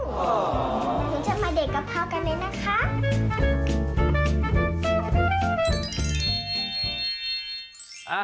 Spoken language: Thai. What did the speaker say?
หนูจะมาเด็ดกะเพรากันเลยนะคะ